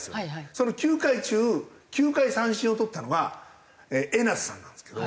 その９回中９回三振をとったのが江夏さんなんですけど。